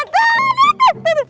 tuh tuh tuh tuh